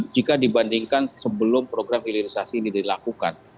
jika dibandingkan sebelum program hilirisasi ini dilakukan